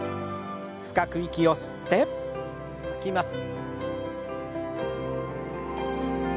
深く息を吸って吐きます。